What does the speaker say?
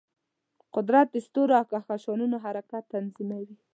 قدرت د ستورو او کهکشانونو حرکت تنظیموي.